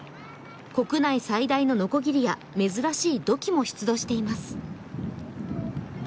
国内最大ののこぎりや珍しい土器も出土しています。